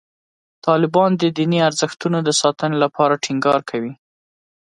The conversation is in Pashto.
طالبان د دیني ارزښتونو د ساتنې لپاره ټینګار کوي.